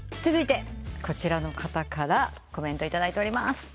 続いてこちらの方からコメント頂いております。